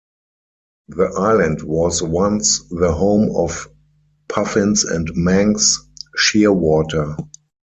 The island was once the home of puffins and Manx shearwater.